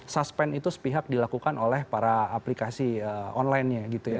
suspend itu sepihak dilakukan oleh para aplikasi online nya